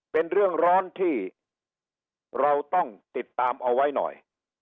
เป็นเรื่องร้อนที่เราต้องติดตามเอาไว้หน่อย